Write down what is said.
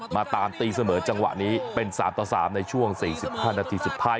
มาตามตีเสมอจังหวะนี้เป็นสามต่อสามในช่วงสี่สิบห้านาทีสุดท้าย